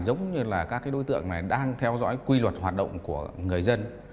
giống như là các đối tượng này đang theo dõi quy luật hoạt động của người dân